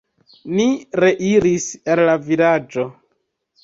Ni reiris al la vilaĝo.